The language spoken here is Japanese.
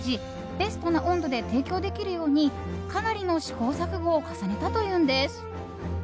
ベストな温度で提供できるようにかなりの試行錯誤を重ねたというんです。